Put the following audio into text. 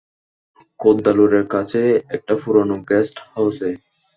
কুদ্দালোরের কাছে, একটা পুরানো গেস্ট হাউসে।